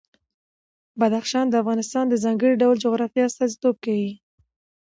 بدخشان د افغانستان د ځانګړي ډول جغرافیه استازیتوب کوي.